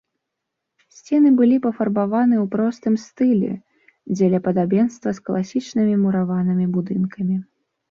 Сцены былі пафарбаваны ў простым -стылі дзеля падабенства з класічнымі мураванымі будынкамі.